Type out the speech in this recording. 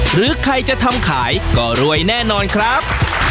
หรือใครจะทำขายก็รวยแน่นอนครับ